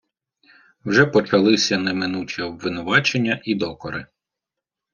Вже почалися неминучі обвинувачення і докори.